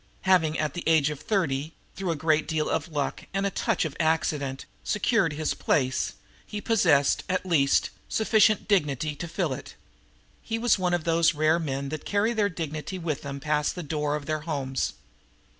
Having at the age of thirty, through a great deal of luck and a touch of accident, secured his place, he possessed, at least, sufficient dignity to fill it. He was one of those rare men who carry their dignity with them past the doors of their homes.